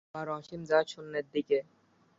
আবার অসীম যায় শূন্যের দিকে।